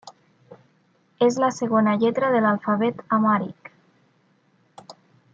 És la segona lletra de l'alfabet amhàric.